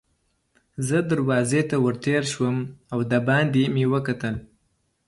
زه دروازې ته ور تېر شوم او دباندې مې وکتل.